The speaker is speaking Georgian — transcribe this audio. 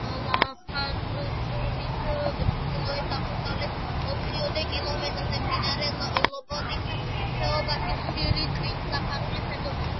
მდებარეობს სოფელ ლაფანყურის ჩრდილო-აღმოსავლეთით, ოთხიოდე კილომეტრზე, მდინარე ლოპოტის ხეობაში, ხშირი ტყით დაფარულ ფერდობზე.